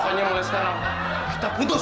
pokoknya mulai sekarang kita putus